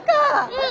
うん！